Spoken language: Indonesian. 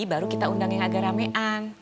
baru kita undang yang agak ramean